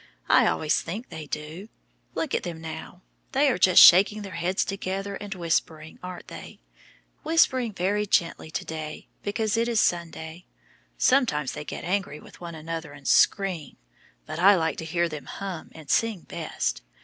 I always think they do. Look at them now. They are just shaking their heads together and whispering, aren't they? Whispering very gently to day, because it is Sunday. Sometimes they get angry with one another and scream, but I like to hear them hum and sing best.